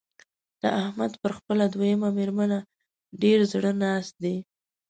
د احمد پر خپله دويمه مېرمنه ډېر زړه ناست دی.